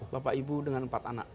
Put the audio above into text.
bapak ibu dengan empat anak